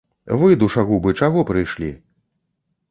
Вы, душагубы, чаго прыйшлі?